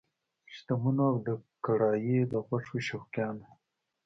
شتمنو او د کړایي د غوښو شوقیانو!